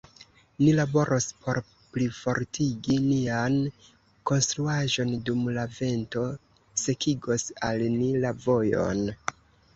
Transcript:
Ni laboros por plifortigi nian konstruaĵon, dum la vento sekigos al ni la vojon.